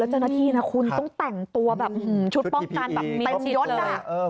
แล้วเจ้าหน้าที่นะคุณต้องแต่งตัวชุดป้องกันแบบมีสิทธิ์เลย